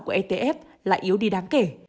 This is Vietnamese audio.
của mỹ đã bị phá hủy